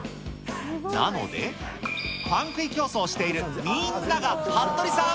なので、パン食い競走しているみんなが服部さん。